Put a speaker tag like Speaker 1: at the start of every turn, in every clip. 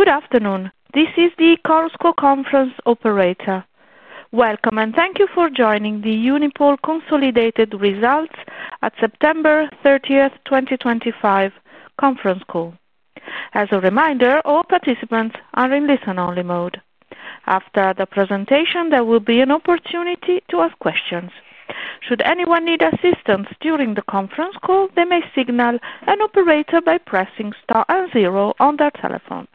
Speaker 1: Good afternoon. This is the Chorus Call conference operator. Welcome, and thank you for joining the Unipol Consolidated Results at September 30th, 2025, conference call. As a reminder, all participants are in listen-only mode. After the presentation, there will be an opportunity to ask questions. Should anyone need assistance during the conference call, they may signal an operator by pressing star and zero on their telephone.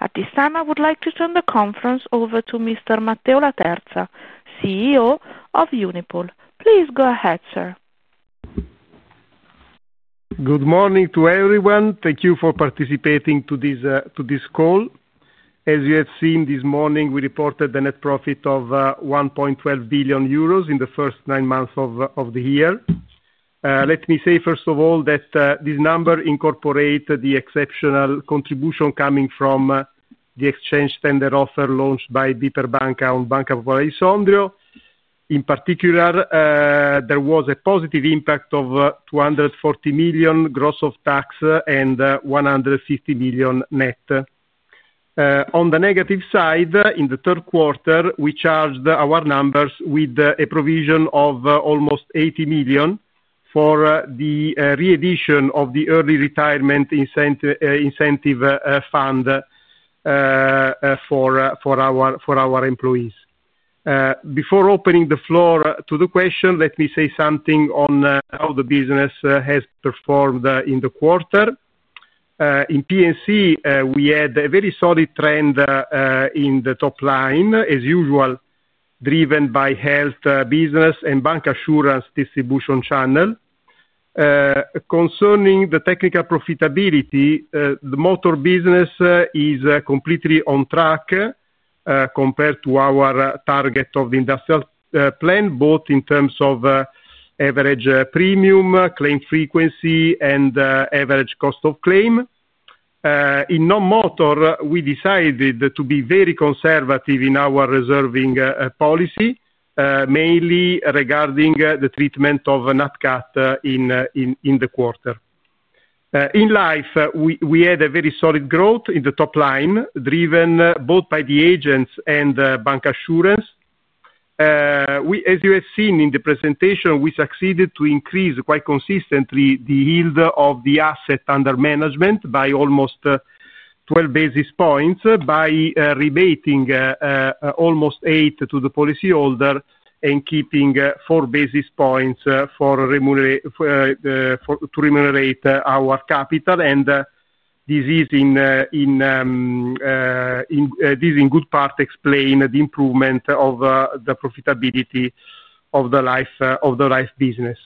Speaker 1: At this time, I would like to turn the conference over to Mr. Matteo Laterza, CEO of Unipol. Please go ahead, sir.
Speaker 2: Good morning to everyone. Thank you for participating in this call. As you have seen this morning, we reported a net profit of 1.12 billion euros in the first nine months of the year. Let me say, first of all, that this number incorporates the exceptional contribution coming from the exchange tender offer launched by BPR Banca on Banca Popolare di Sondrio. In particular, there was a positive impact of 240 million gross of tax and 150 million net. On the negative side, in the third quarter, we charged our numbers with a provision of almost 80 million for the re-addition of the early retirement incentive fund for our employees. Before opening the floor to the question, let me say something on how the business has performed in the quarter. In P&C, we had a very solid trend in the top line, as usual, driven by health business and bancassurance distribution channel. Concerning the technical profitability, the motor business is completely on track compared to our target of the industrial plan, both in terms of average premium, claim frequency, and average cost of claim. In non-motor, we decided to be very conservative in our reserving policy, mainly regarding the treatment of NATCAT in the quarter. In life, we had a very solid growth in the top line, driven both by the agents and bancassurance. As you have seen in the presentation, we succeeded to increase quite consistently the yield of the asset under management by almost 12 basis points by rebating almost eight to the policyholder and keeping four basis points to remunerate our capital. This is, in good part, explaining the improvement of the profitability of the life business.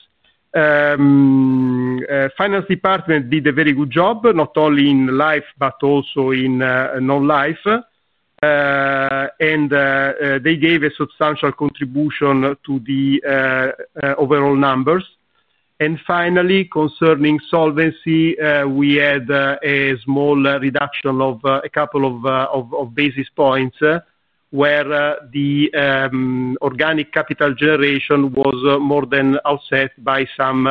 Speaker 2: The finance department did a very good job, not only in life but also in non-life, and they gave a substantial contribution to the overall numbers. Finally, concerning solvency, we had a small reduction of a couple of basis points where the organic capital generation was more than offset by some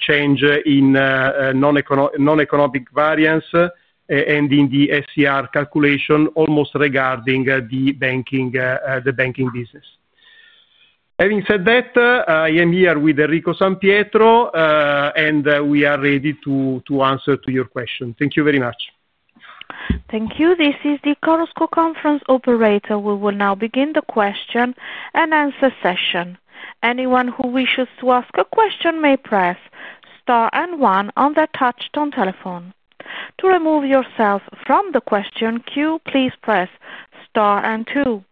Speaker 2: change in non-economic variance and in the SER calculation almost regarding the banking business. Having said that, I am here with Enrico San Pietro, and we are ready to answer your questions. Thank you very much.
Speaker 1: Thank you. This is the Chorus Call conference operator. We will now begin the question and answer session. Anyone who wishes to ask a question may press star and one on their touch-tone telephone. To remove yourself from the question queue, please press star and two.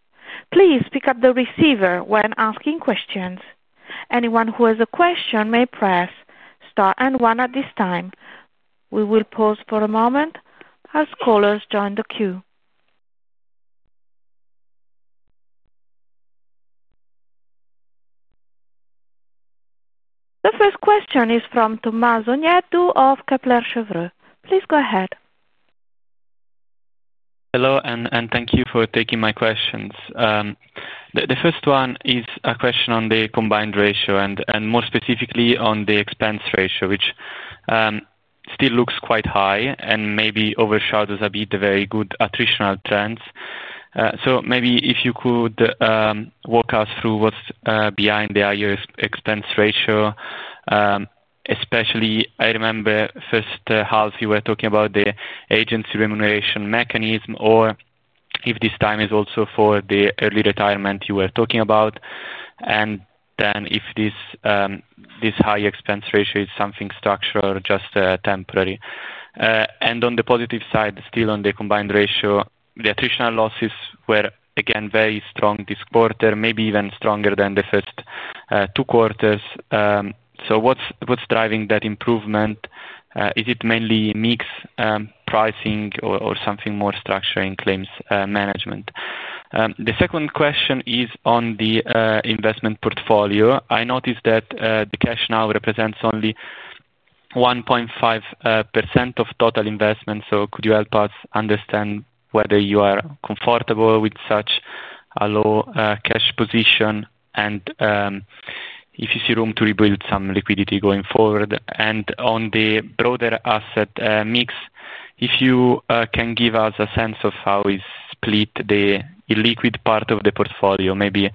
Speaker 1: Please pick up the receiver when asking questions. Anyone who has a question may press star and one at this time. We will pause for a moment as callers join the queue. The first question is from Tommaso Onidi of Kepler Cheuvreux. Please go ahead. Hello, and thank you for taking my questions. The first one is a question on the combined ratio and more specifically on the expense ratio, which still looks quite high and maybe overshadows a bit the very good attritional trends. Maybe if you could walk us through what's behind the higher expense ratio, especially I remember first half you were talking about the agency remuneration mechanism or if this time is also for the early retirement you were talking about, and if this high expense ratio is something structural or just temporary. On the positive side, still on the combined ratio, the attritional losses were again very strong this quarter, maybe even stronger than the first two quarters. What's driving that improvement? Is it mainly mixed pricing or something more structuring claims management? The second question is on the investment portfolio. I noticed that the cash now represents only 1.5% of total investment, so could you help us understand whether you are comfortable with such a low cash position and if you see room to rebuild some liquidity going forward? On the broader asset mix, if you can give us a sense of how is split the illiquid part of the portfolio, maybe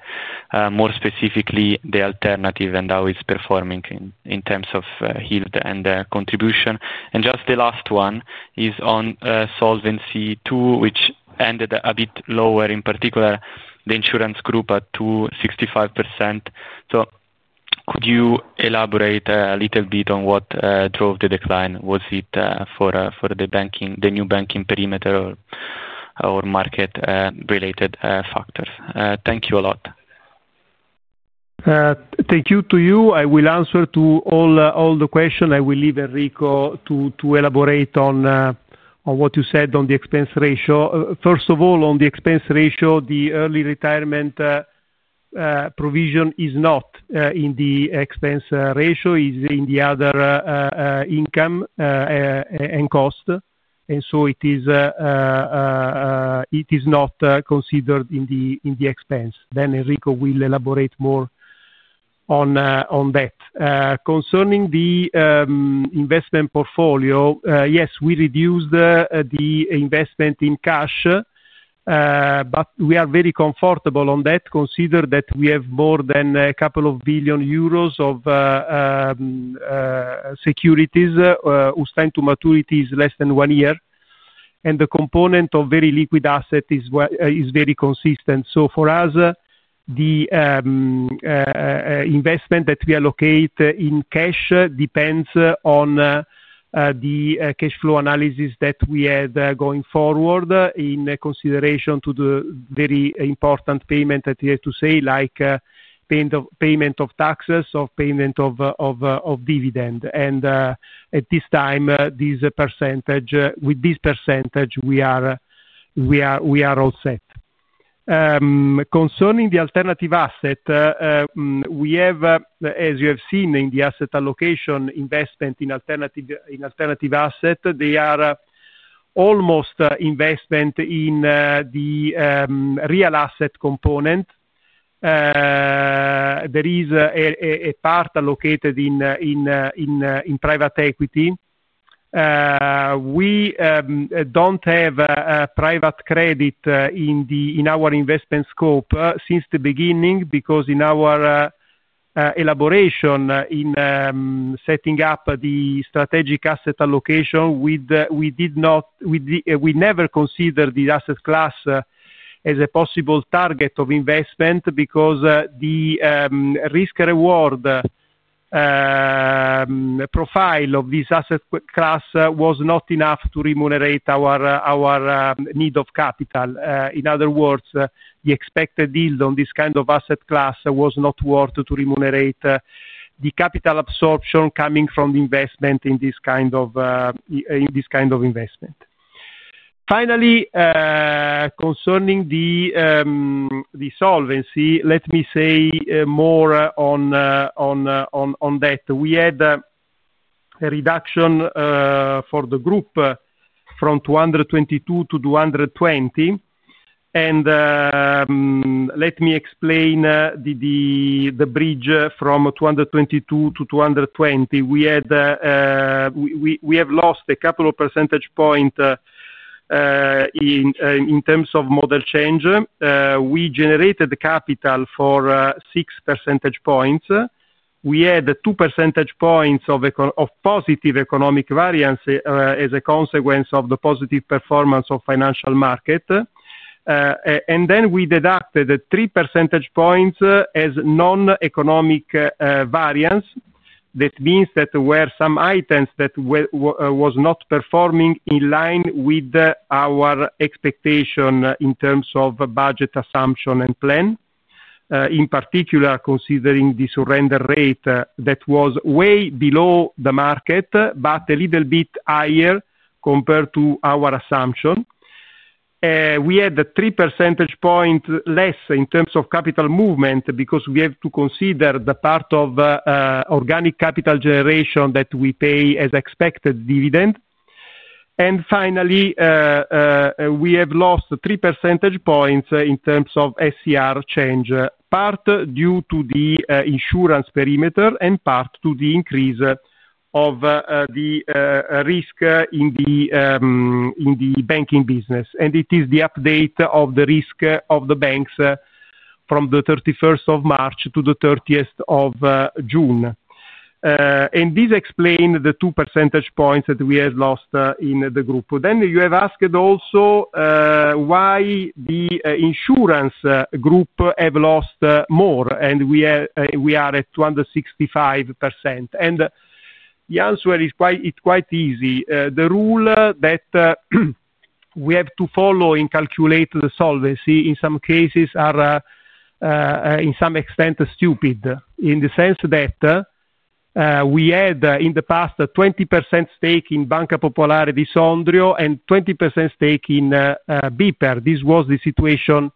Speaker 1: more specifically the alternative and how it's performing in terms of yield and contribution. Just the last one is on Solvency II, which ended a bit lower, in particular the insurance group at 265%. Could you elaborate a little bit on what drove the decline? Was it for the new banking perimeter or market-related factors? Thank you a lot.
Speaker 2: Thank you to you. I will answer to all the questions. I will leave Enrico to elaborate on what you said on the expense ratio. First of all, on the expense ratio, the early retirement provision is not in the expense ratio. It is in the other income and cost, and so it is not considered in the expense. Enrico will elaborate more on that. Concerning the investment portfolio, yes, we reduced the investment in cash, but we are very comfortable on that, considered that we have more than a couple of billion EUR of securities whose term to maturity is less than one year. The component of very liquid asset is very consistent. For us, the investment that we allocate in cash depends on the cash flow analysis that we had going forward in consideration to the very important payment that we have to say, like payment of taxes or payment of dividend. At this time, with this percentage, we are all set. Concerning the alternative asset, we have, as you have seen in the asset allocation investment in alternative asset, they are almost investment in the real asset component. There is a part allocated in private equity. We do not have private credit in our investment scope since the beginning because in our elaboration in setting up the strategic asset allocation, we never considered the asset class as a possible target of investment because the risk-reward profile of this asset class was not enough to remunerate our need of capital. In other words, the expected yield on this kind of asset class was not worth to remunerate the capital absorption coming from the investment in this kind of investment. Finally, concerning the solvency, let me say more on that. We had a reduction for the group from 222-220. Let me explain the bridge from 222-220. We have lost a couple of percentage points in terms of model change. We generated capital for 6 percentage points. We had 2% points of positive economic variance as a consequence of the positive performance of financial market. We deducted 3% points as non-economic variance. That means that there were some items that were not performing in line with our expectation in terms of budget assumption and plan, in particular considering the surrender rate that was way below the market but a little bit higher compared to our assumption. We had 3% points less in terms of capital movement because we have to consider the part of organic capital generation that we pay as expected dividend. Finally, we have lost 3% points in terms of SER change, part due to the insurance perimeter and part to the increase of the risk in the banking business. It is the update of the risk of the banks from the 31st of March to the 30th of June. This explains the 2% points that we have lost in the group. You have asked also why the insurance group have lost more, and we are at 265%. The answer is quite easy. The rule that we have to follow in calculating the solvency in some cases are, in some extent, stupid in the sense that we had in the past a 20% stake in Banca Popolare di Sondrio and 20% stake in BPR. This was the situation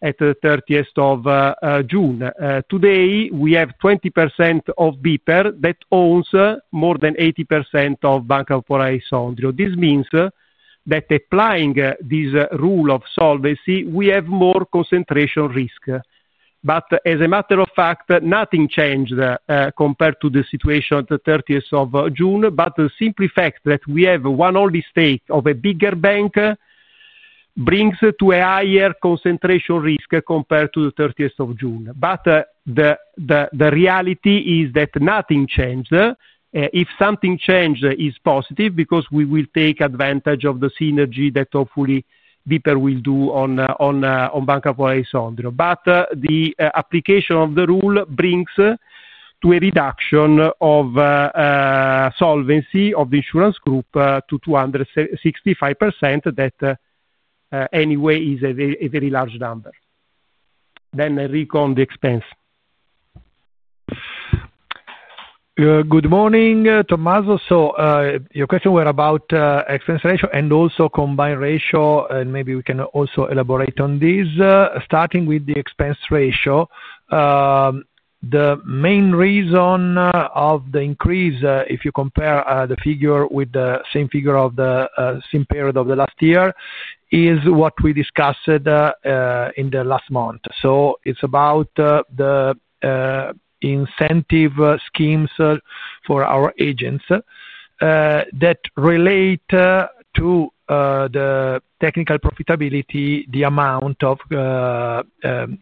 Speaker 2: at the 30th of June. Today, we have 20% of BPR that owns more than 80% of Banca Popolare di Sondrio. This means that applying this rule of solvency, we have more concentration risk. As a matter of fact, nothing changed compared to the situation at the 30th of June, but the simple fact that we have one-only stake of a bigger bank brings to a higher concentration risk compared to the 30th of June. The reality is that nothing changed. If something changed, it is positive because we will take advantage of the synergy that hopefully BPR will do on Banca Popolare di Sondrio. The application of the rule brings to a reduction of solvency of the insurance group to 265%, that anyway is a very large number. Enrico on the expense.
Speaker 3: Good morning, Tommaso. Your questions were about expense ratio and also combined ratio, and maybe we can also elaborate on this. Starting with the expense ratio, the main reason of the increase, if you compare the figure with the same figure of the same period of the last year, is what we discussed in the last month. It is about the incentive schemes for our agents that relate to the technical profitability, the amount of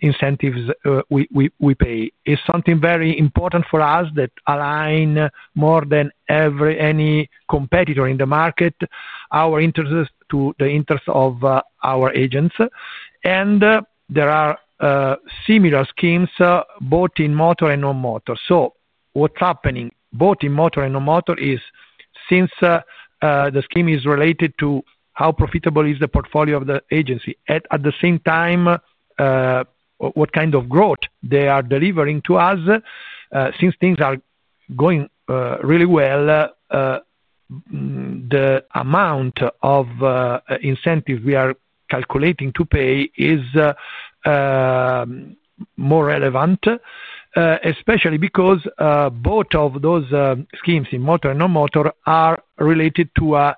Speaker 3: incentives we pay. It's something very important for us that aligns more than any competitor in the market, our interest to the interest of our agents. There are similar schemes both in motor and non-motor. What's happening both in motor and non-motor is since the scheme is related to how profitable is the portfolio of the agency, at the same time, what kind of growth they are delivering to us. Since things are going really well, the amount of incentives we are calculating to pay is more relevant, especially because both of those schemes in motor and non-motor are related to a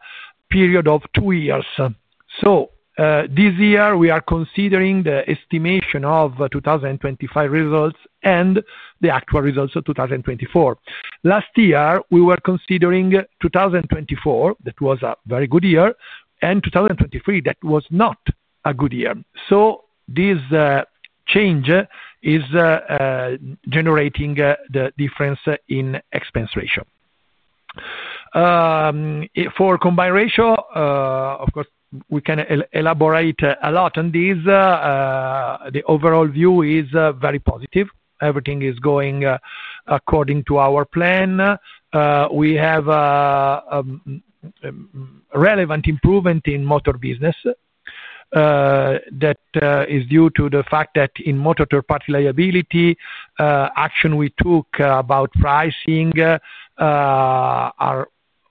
Speaker 3: period of two years. This year, we are considering the estimation of 2025 results and the actual results of 2024. Last year, we were considering 2024; that was a very good year, and 2023; that was not a good year. This change is generating the difference in expense ratio. For combined ratio, of course, we can elaborate a lot on this. The overall view is very positive. Everything is going according to our plan. We have relevant improvement in motor business. That is due to the fact that in motor third-party liability, action we took about pricing are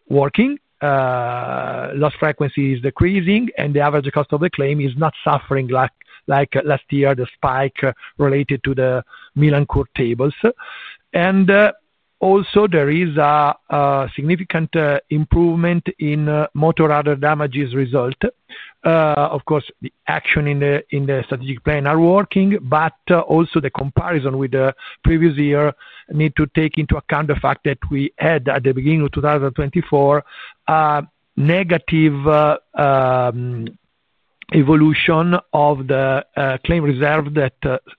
Speaker 3: working. Loss frequency is decreasing, and the average cost of the claim is not suffering like last year, the spike related to the Milan Court tables. There is also a significant improvement in motor other damages result. Of course, the action in the strategic plan are working, but also the comparison with the previous year needs to take into account the fact that we had at the beginning of 2024 a negative evolution of the claim reserve that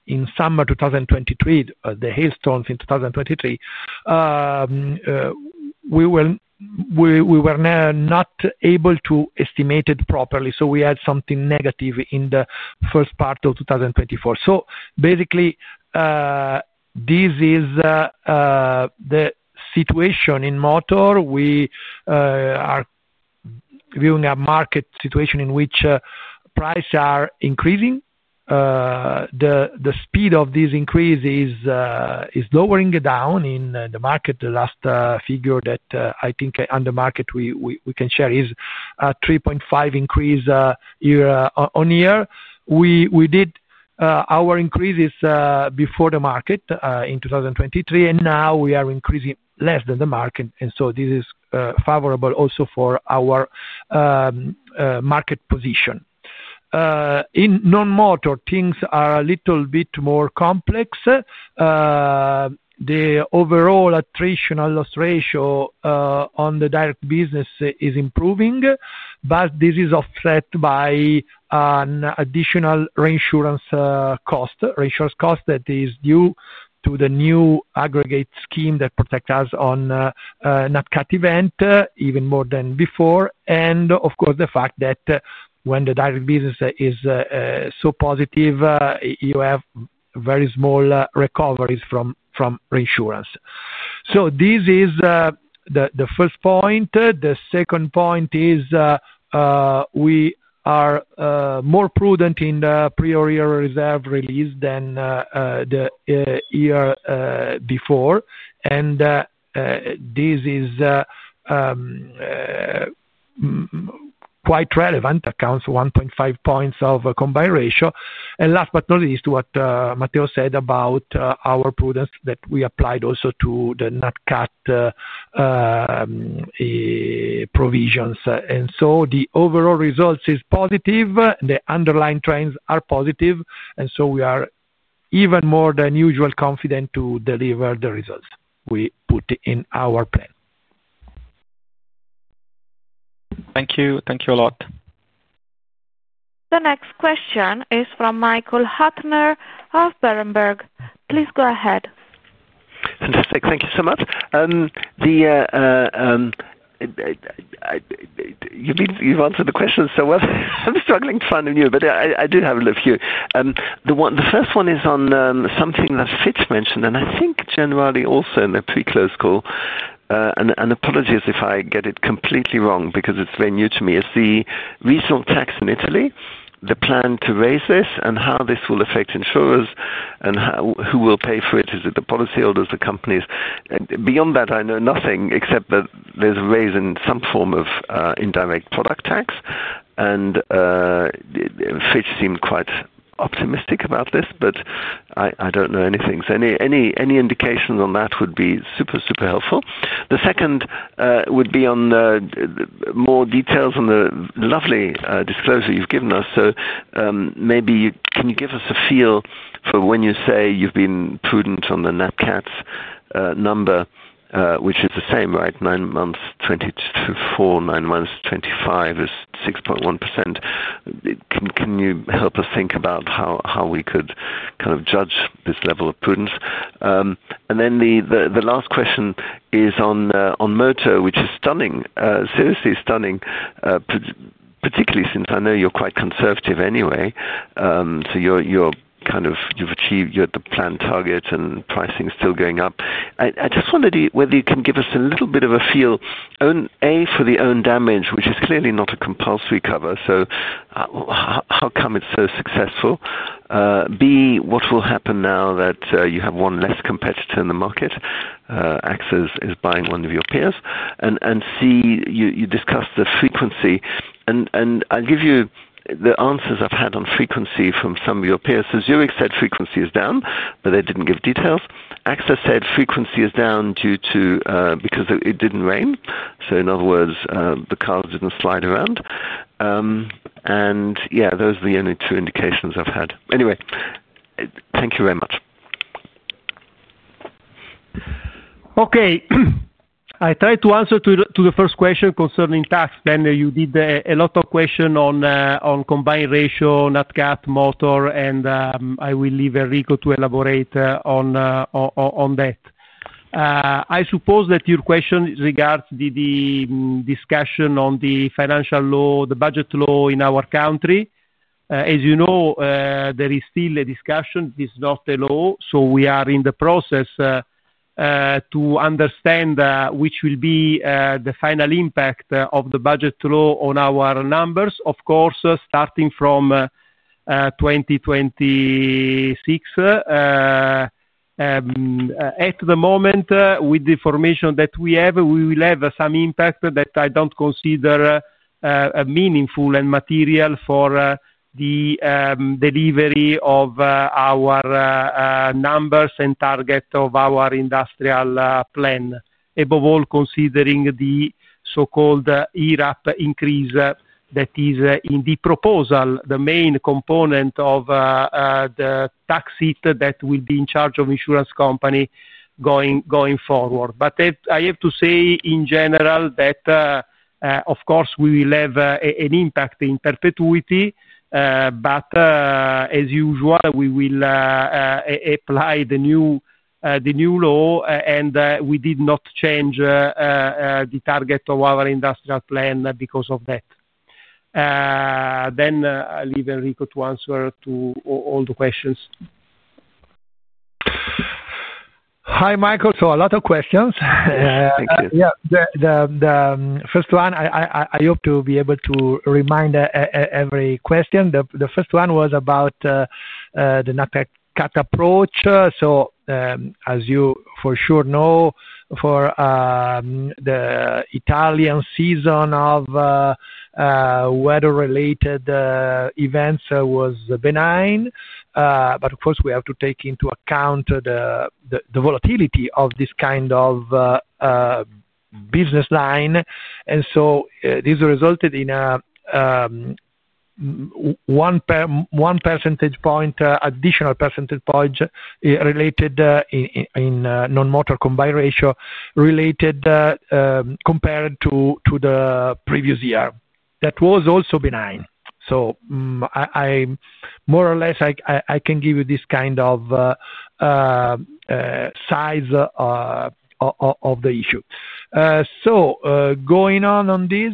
Speaker 3: in summer 2023, the hailstorms in 2023, we were not able to estimate it properly. We had something negative in the first part of 2024. Basically, this is the situation in motor. We are viewing a market situation in which prices are increasing. The speed of this increase is lowering down in the market. The last figure that I think on the market we can share is a 3.5% increase year on year. We did our increases before the market in 2023, and now we are increasing less than the market. This is favorable also for our market position. In non-motor, things are a little bit more complex. The overall attritional loss ratio on the direct business is improving, but this is offset by an additional reinsurance cost, reinsurance cost that is due to the new aggregate scheme that protects us on a NATCAT event even more than before. Of course, the fact that when the direct business is so positive, you have very small recoveries from reinsurance. This is the first point. The second point is we are more prudent in the prior year reserve release than the year before. This is quite relevant, accounts for 1.5 percentage points of combined ratio. Last but not least, what Matteo said about our prudence that we applied also to the NATCAT provisions. The overall result is positive. The underlying trends are positive. We are even more than usual confident to deliver the results we put in our plan. Thank you. Thank you a lot.
Speaker 1: The next question is from Michael Hüttner of Berenberg. Please go ahead.
Speaker 4: Fantastic. Thank you so much. You've answered the questions, so I'm struggling to find them here, but I do have a few. The first one is on something that Fitz mentioned, and I think generally also in a pre-close call. And apologies if I get it completely wrong because it's very new to me. It's the regional tax in Italy, the plan to raise this and how this will affect insurers and who will pay for it. Is it the policyholders, the companies? Beyond that, I know nothing except that there's a raise in some form of indirect product tax. And Fitz seemed quite optimistic about this, but I don't know anything. Any indications on that would be super, super helpful. The second would be on more details on the lovely disclosure you've given us. Maybe can you give us a feel for when you say you've been prudent on the NATCAT number, which is the same, right? Nine months 2024, nine months 2025 is 6.1%. Can you help us think about how we could kind of judge this level of prudence? The last question is on motor, which is stunning, seriously stunning, particularly since I know you're quite conservative anyway. You're kind of, you've achieved, you're at the planned target and pricing is still going up. I just wondered whether you can give us a little bit of a feel, A, for the own damage, which is clearly not a compulsory cover. How come it's so successful? B, what will happen now that you have one less competitor in the market? AXA is buying one of your peers. C, you discussed the frequency. I'll give you the answers I've had on frequency from some of your peers. Zurich said frequency is down, but they didn't give details. AXA said frequency is down due to because it didn't rain. In other words, the cars didn't slide around. Yeah, those are the only two indications I've had. Anyway, thank you very much.
Speaker 2: Okay. I tried to answer to the first question concerning tax. Then you did a lot of questions on combined ratio, NATCAT, motor, and I will leave Enrico to elaborate on that. I suppose that your question regards the discussion on the financial law, the budget law in our country. As you know, there is still a discussion. It is not a law. We are in the process to understand which will be the final impact of the budget law on our numbers, of course, starting from 2026. At the moment, with the information that we have, we will have some impact that I do not consider meaningful and material for the delivery of our numbers and target of our industrial plan, above all considering the so-called ERAP increase that is in the proposal, the main component of the tax seat that will be in charge of insurance company going forward. I have to say in general that, of course, we will have an impact in perpetuity. As usual, we will apply the new law, and we did not change the target of our industrial plan because of that. I will leave Enrico to answer to all the questions.
Speaker 3: Hi, Michael. So a lot of questions. Thank you. Yeah. The first one, I hope to be able to remind every question. The first one was about the NATCAT approach. As you for sure know, for the Italian season of weather-related events, it was benign. Of course, we have to take into account the volatility of this kind of business line. This resulted in one percentage point, additional percentage points related in non-motor combined ratio related compared to the previous year. That was also benign. More or less, I can give you this kind of size of the issue. Going on this,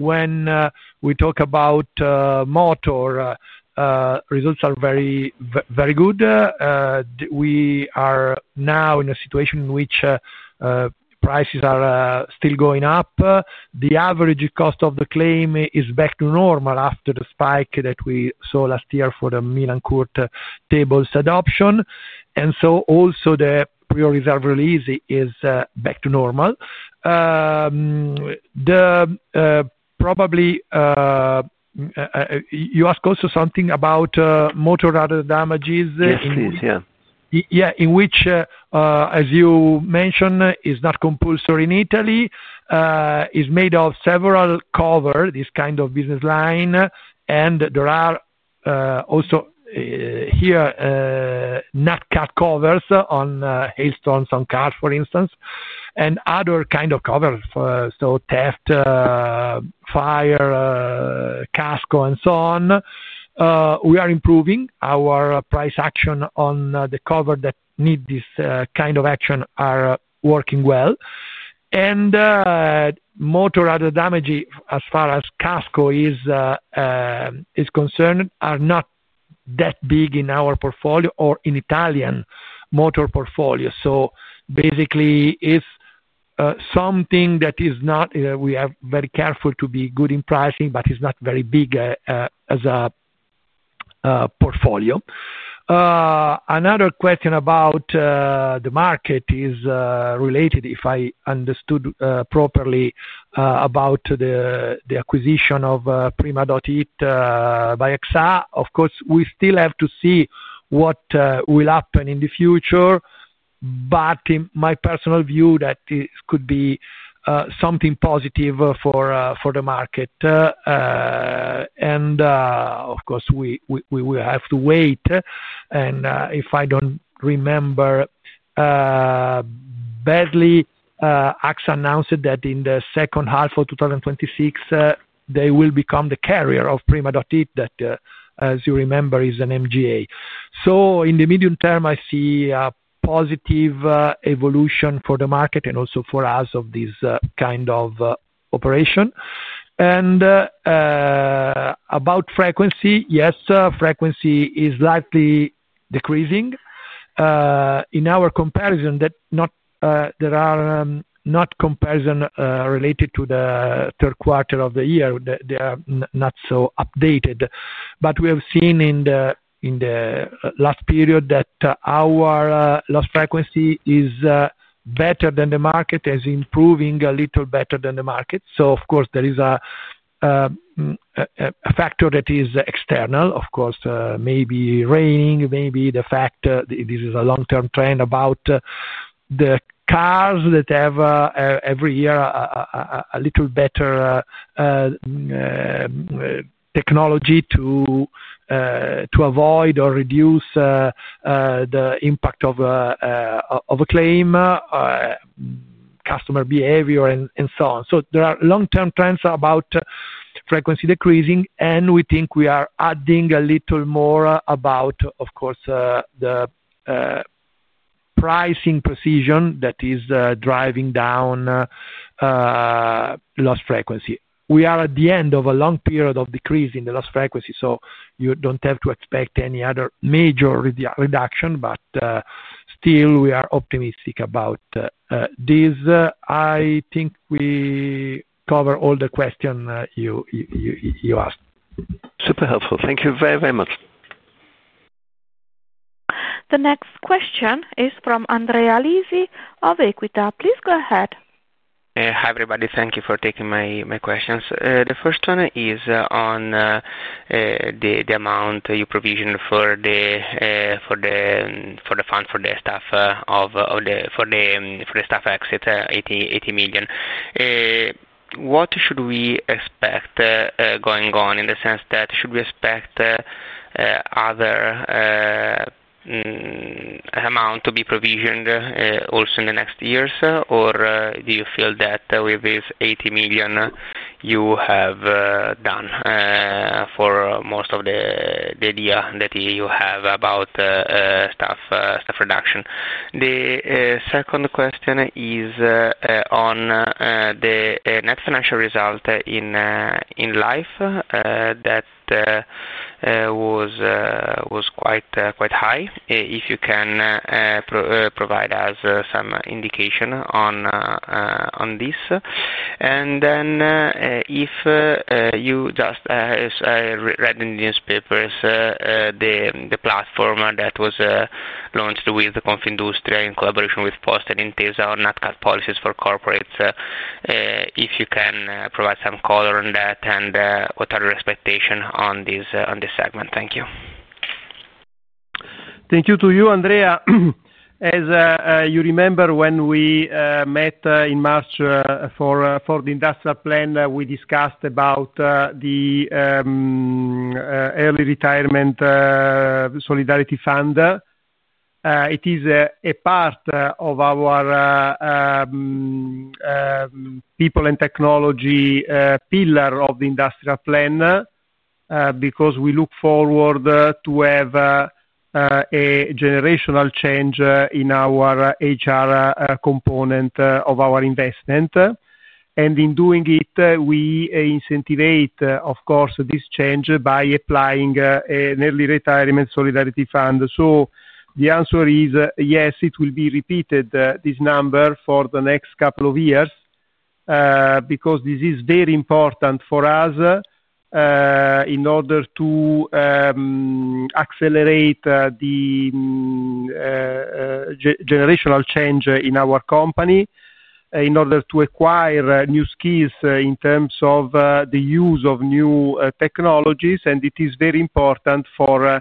Speaker 3: when we talk about motor, results are very good. We are now in a situation in which prices are still going up. The average cost of the claim is back to normal after the spike that we saw last year for the Milan Court tables adoption. Also, the prior reserve release is back to normal. Probably you asked also something about motor other damages.
Speaker 4: Yes, please.
Speaker 3: Yeah, in which, as you mentioned, is not compulsory in Italy. It's made of several covers, this kind of business line. And there are also here non-cat covers on hailstorms on cars, for instance, and other kinds of covers, so theft, fire, casco, and so on. We are improving. Our price action on the cover that needs this kind of action are working well. And motor other damage, as far as casco is concerned, are not that big in our portfolio or in Italian motor portfolio. Basically, it's something that is not we are very careful to be good in pricing, but it's not very big as a portfolio. Another question about the market is related, if I understood properly, about the acquisition of Prima.it by AXA. Of course, we still have to see what will happen in the future, but in my personal view, that could be something positive for the market. We will have to wait. If I do not remember badly, AXA announced that in the second half of 2026, they will become the carrier of Prima.it, that, as you remember, is an MGA. In the medium term, I see a positive evolution for the market and also for us of this kind of operation. About frequency, yes, frequency is likely decreasing. In our comparison, there are not comparisons related to the third quarter of the year. They are not so updated. We have seen in the last period that our loss frequency is better than the market, is improving a little better than the market. There is a factor that is external. Of course, maybe raining, maybe the fact this is a long-term trend about the cars that have every year a little better technology to avoid or reduce the impact of a claim, customer behavior, and so on. There are long-term trends about frequency decreasing, and we think we are adding a little more about, of course, the pricing precision that is driving down loss frequency. We are at the end of a long period of decrease in the loss frequency, so you do not have to expect any other major reduction, but still, we are optimistic about this. I think we covered all the questions you asked.
Speaker 4: Super helpful. Thank you very, very much.
Speaker 1: The next question is from Andrea Lisi of Equita. Please go ahead.
Speaker 5: Hi, everybody. Thank you for taking my questions. The first one is on the amount you provisioned for the fund for the staff exit, 80 million. What should we expect going on in the sense that should we expect other amount to be provisioned also in the next years, or do you feel that with this 80 million, you have done for most of the idea that you have about staff reduction? The second question is on the net financial result in life that was quite high. If you can provide us some indication on this. If you just read in the newspapers the platform that was launched with Confindustria in collaboration with Poste Italiane and Intesa Sanpaolo on NATCAT policies for corporates, if you can provide some color on that and what are your expectations on this segment. Thank you.
Speaker 2: Thank you to you, Andrea. As you remember, when we met in March for the industrial plan, we discussed about the early retirement solidarity fund. It is a part of our people and technology pillar of the industrial plan because we look forward to have a generational change in our HR component of our investment. In doing it, we incentivize, of course, this change by applying an early retirement solidarity fund. The answer is yes, it will be repeated, this number for the next couple of years because this is very important for us in order to accelerate the generational change in our company, in order to acquire new skills in terms of the use of new technologies. It is very important for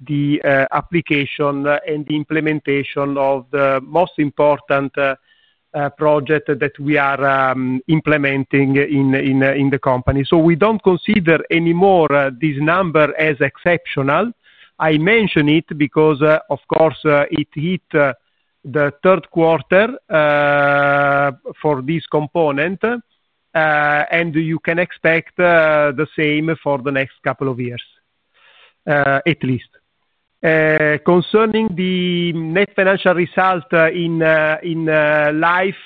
Speaker 2: the application and the implementation of the most important project that we are implementing in the company. We do not consider anymore this number as exceptional. I mention it because, of course, it hit the third quarter for this component, and you can expect the same for the next couple of years, at least. Concerning the net financial result in life,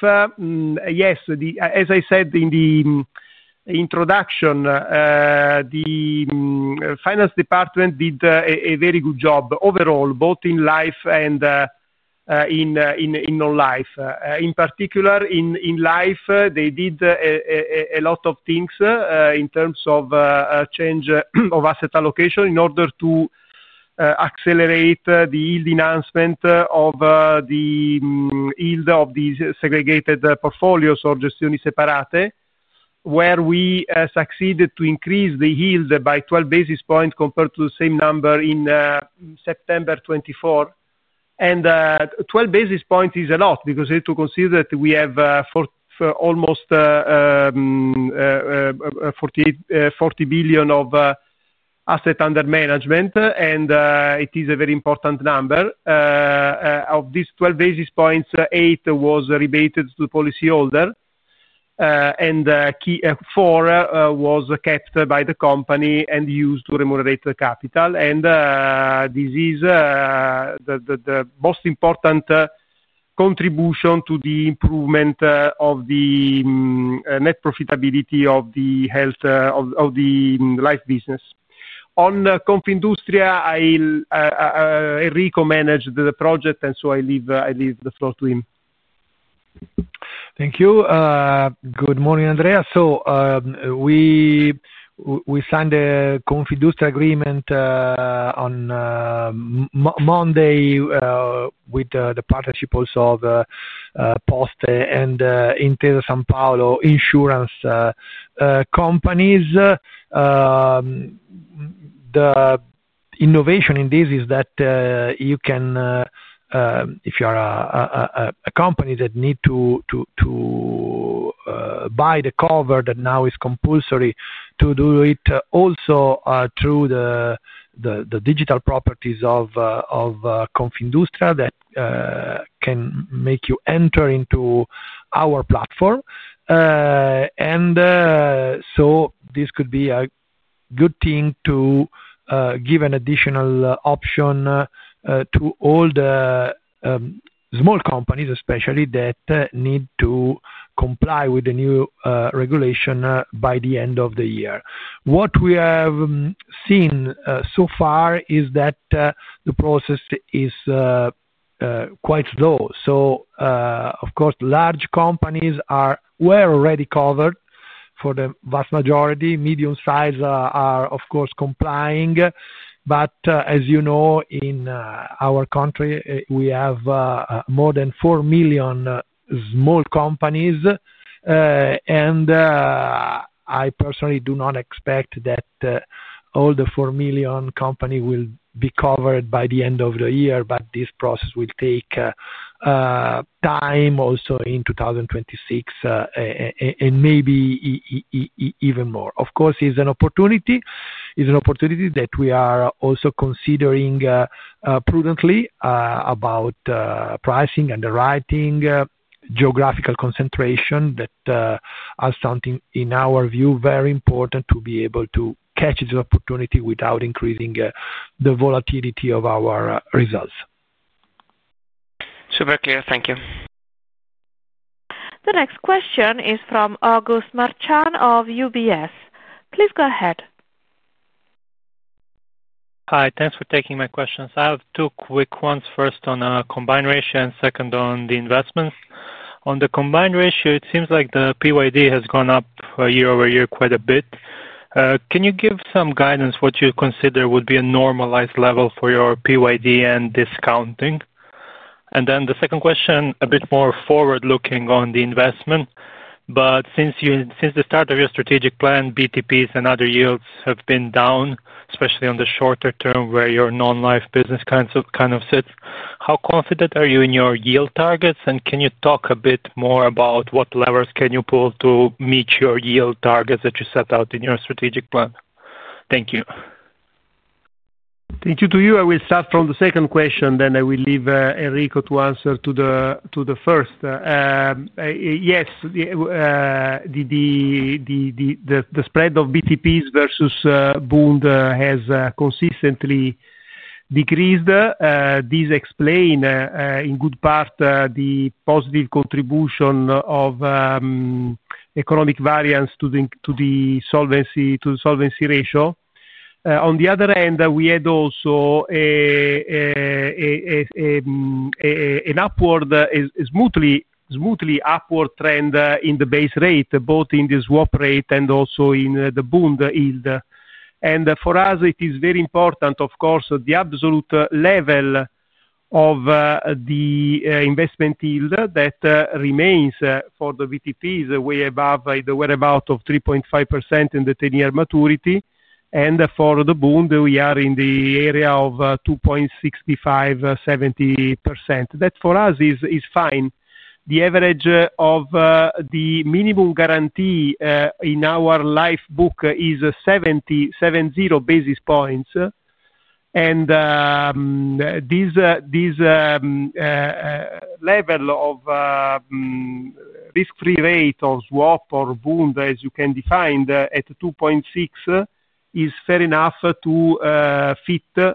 Speaker 2: yes, as I said in the introduction, the finance department did a very good job overall, both in life and in non-life. In particular, in life, they did a lot of things in terms of change of asset allocation in order to accelerate the yield enhancement of the yield of these segregated portfolios or gestioni separate, where we succeeded to increase the yield by 12 basis points compared to the same number in September 2024. And 12 basis points is a lot because you have to consider that we have almost 40 billion of asset under management, and it is a very important number. Of these 12 basis points, 8 was rebated to the policyholder, and 4 was kept by the company and used to remunerate the capital. This is the most important contribution to the improvement of the net profitability of the life business. On Confindustria, Enrico managed the project, and I leave the floor to him.
Speaker 3: Thank you. Good morning, Andrea. We signed a Confindustria agreement on Monday with the partnership also of Poste Italiane and Intesa Sanpaolo insurance companies. The innovation in this is that you can, if you are a company that needs to buy the cover that now is compulsory, do it also through the digital properties of Confindustria that can make you enter into our platform. This could be a good thing to give an additional option to all the small companies, especially that need to comply with the new regulation by the end of the year. What we have seen so far is that the process is quite slow. Of course, large companies were already covered for the vast majority. Medium size are, of course, complying. As you know, in our country, we have more than 4 million small companies. I personally do not expect that all the 4 million companies will be covered by the end of the year, but this process will take time also in 2026 and maybe even more. Of course, it is an opportunity. It's an opportunity that we are also considering prudently about pricing and the writing, geographical concentration that are something, in our view, very important to be able to catch this opportunity without increasing the volatility of our results.
Speaker 5: Super clear. Thank you.
Speaker 1: The next question is from Augusto Marcianò of UBS. Please go ahead. Hi. Thanks for taking my questions. I have two quick ones. First, on combined ratio and second, on the investments. On the combined ratio, it seems like the PYD has gone up year over year quite a bit. Can you give some guidance what you consider would be a normalized level for your PYD and discounting? The second question, a bit more forward-looking on the investment. Since the start of your strategic plan, BTPs and other yields have been down, especially on the shorter term where your non-life business kind of sits, how confident are you in your yield targets? Can you talk a bit more about what levers can you pull to meet your yield targets that you set out in your strategic plan? Thank you.
Speaker 2: Thank you to you. I will start from the second question, then I will leave Enrico to answer to the first. Yes, the spread of BTPs versus bond has consistently decreased. This explains, in good part, the positive contribution of economic variance to the solvency ratio. On the other hand, we had also an upward, smoothly upward trend in the base rate, both in the swap rate and also in the bond yield. For us, it is very important, of course, the absolute level of the investment yield that remains for the BTPs way above the whereabout of 3.5% in the 10-year maturity. For the bond, we are in the area of 2.65%-2.70%. That for us is fine. The average of the minimum guarantee in our life book is 70 basis points. This level of risk-free rate or swap or bond, as you can define, at 2.6 is fair enough to fit the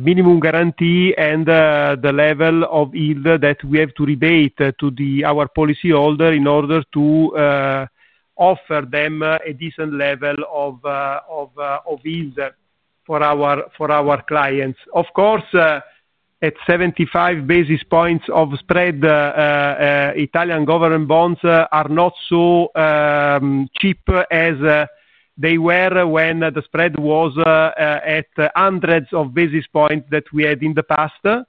Speaker 2: minimum guarantee and the level of yield that we have to rebate to our policyholder in order to offer them a decent level of yield for our clients. Of course, at 75 basis points of spread, Italian government bonds are not so cheap as they were when the spread was at hundreds of basis points that we had in the past,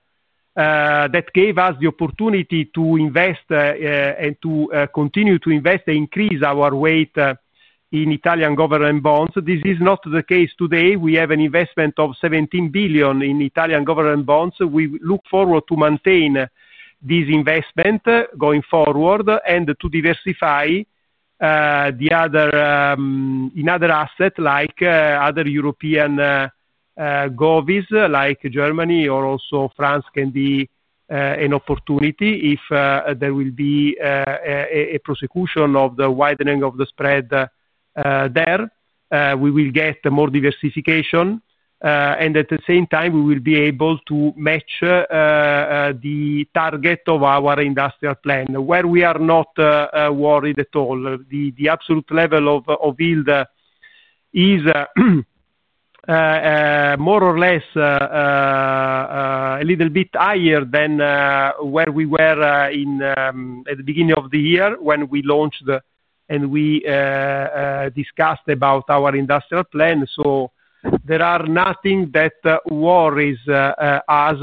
Speaker 2: that gave us the opportunity to invest and to continue to invest and increase our weight in Italian government bonds. This is not the case today. We have an investment of 17 billion in Italian government bonds. We look forward to maintain this investment going forward and to diversify in other assets like other European govis, like Germany or also France can be an opportunity if there will be a prosecution of the widening of the spread there. We will get more diversification. At the same time, we will be able to match the target of our industrial plan, where we are not worried at all. The absolute level of yield is more or less a little bit higher than where we were at the beginning of the year when we launched and we discussed about our industrial plan. There is nothing that worries us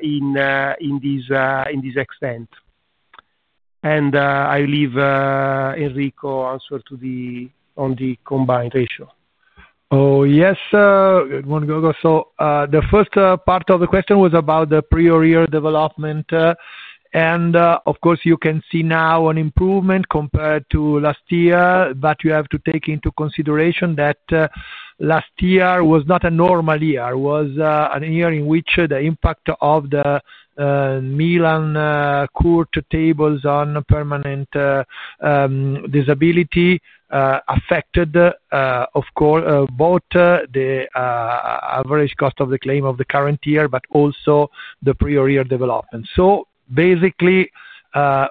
Speaker 2: in this extent. I leave Enrico's answer on the combined ratio.
Speaker 3: Oh, yes. Good morning, Augusto. The first part of the question was about the prior year development. Of course, you can see now an improvement compared to last year, but you have to take into consideration that last year was not a normal year. It was a year in which the impact of the Milan Court tables on permanent disability affected, of course, both the average cost of the claim of the current year, but also the prior year development. Basically,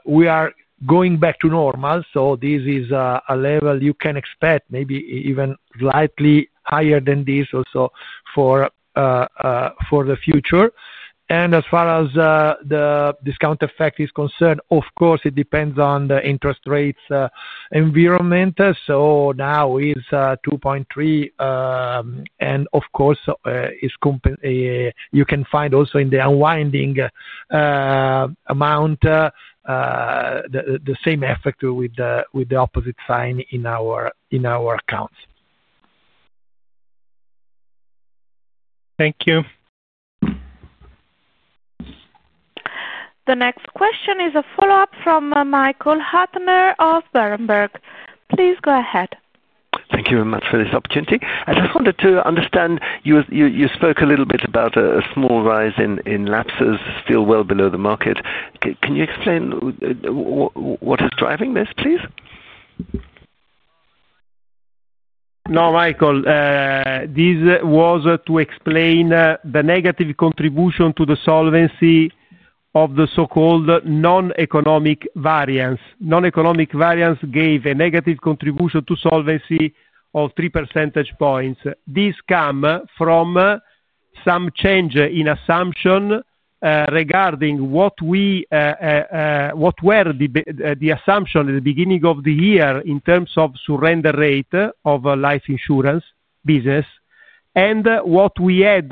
Speaker 3: we are going back to normal. This is a level you can expect, maybe even slightly higher than this also for the future. As far as the discount effect is concerned, it depends on the interest rates environment. Now it is 2.3. You can find also in the unwinding amount the same effect with the opposite sign in our accounts. Thank you.
Speaker 1: The next question is a follow-up from Michael Hüttner of Berenberg. Please go ahead.
Speaker 4: Thank you very much for this opportunity. I just wanted to understand, you spoke a little bit about a small rise in lapses, still well below the market. Can you explain what is driving this, please?
Speaker 2: No, Michael. This was to explain the negative contribution to the solvency of the so-called non-economic variance. Non-economic variance gave a negative contribution to solvency of 3% points. This comes from some change in assumption regarding what were the assumptions at the beginning of the year in terms of surrender rate of life insurance business and what we had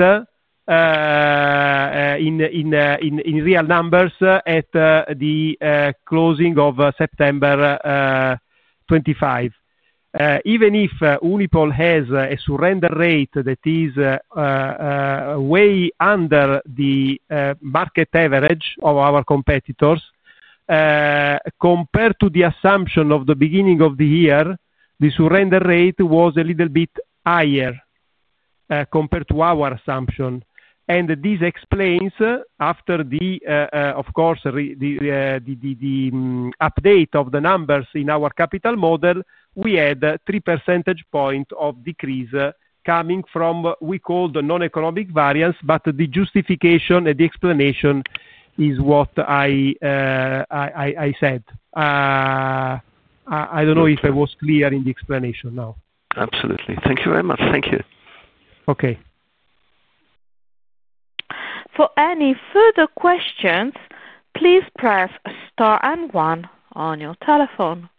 Speaker 2: in real numbers at the closing of September 2025. Even if Unipol has a surrender rate that is way under the market average of our competitors, compared to the assumption of the beginning of the year, the surrender rate was a little bit higher compared to our assumption. This explains, after the, of course, the update of the numbers in our capital model, we had a 3 percentage point decrease coming from what we called the non-economic variance, but the justification and the explanation is what I said. I don't know if I was clear in the explanation now.
Speaker 4: Absolutely. Thank you very much. Thank you.
Speaker 2: Okay.
Speaker 1: For any further questions, please press star and one on your telephone.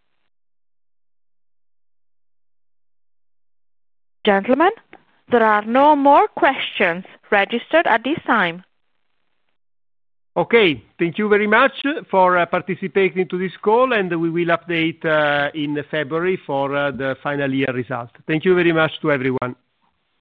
Speaker 1: Gentlemen, there are no more questions registered at this time.
Speaker 2: Okay. Thank you very much for participating to this call, and we will update in February for the final year result. Thank you very much to everyone.